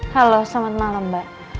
halo selamat malam mbak